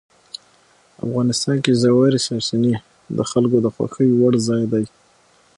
افغانستان کې ژورې سرچینې د خلکو د خوښې وړ ځای دی.